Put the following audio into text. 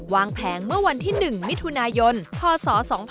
แผงเมื่อวันที่๑มิถุนายนพศ๒๕๖๒